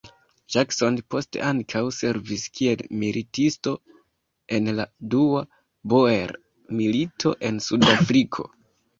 Jackson poste ankaŭ servis kiel militisto en la dua Boer-milito en Sud-Afriko.